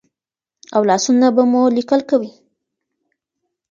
او لاسونه به مو لیکل کوي.